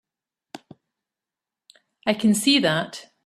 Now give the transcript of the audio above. I can see that.